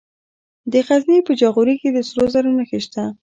د غزني په جاغوري کې د سرو زرو نښې شته.